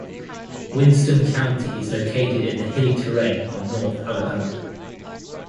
Winston County is located in the hilly terrain of North Alabama.